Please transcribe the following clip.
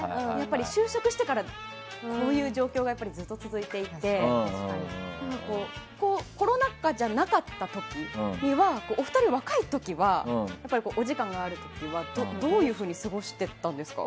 就職してから、こういう状況がずっと続いていてコロナ禍じゃなかった時にはお二人、若い時お時間がある時はどういうふうに過ごしてたんですか？